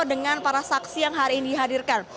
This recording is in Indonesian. dengan para saksi yang hari ini dihadirkan